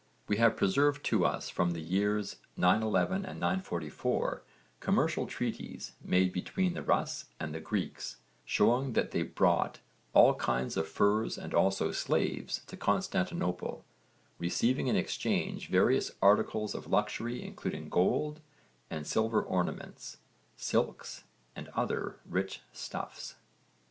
We have preserved to us from the years 911 and 944 commercial treaties made between the 'Rus' and the Greeks showing that they brought all kinds of furs and also slaves to Constantinople, receiving in exchange various articles of luxury including gold and silver ornaments, silks and other rich stuffs.